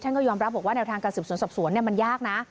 ท่านก็ยอมรับบอกว่าแนวทางกระสิบสนสับสวนเนี่ยมันยากนะ